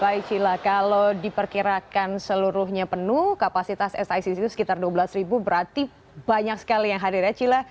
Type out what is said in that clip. baik cila kalau diperkirakan seluruhnya penuh kapasitas sicc itu sekitar dua belas ribu berarti banyak sekali yang hadir ya cila